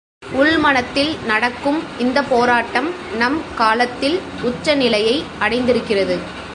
உள்மனத்தில் நடக்கும் இந்தப் போராட்டம் நம் காலத்தில் உச்ச நிலையை அடைந்திருக்கிறது.